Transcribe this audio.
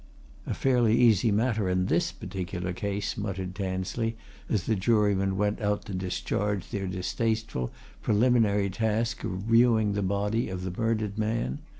"A fairly easy matter in this particular case!" muttered Tansley, as the jurymen went out to discharge their distasteful, preliminary task of viewing the body of the murdered man.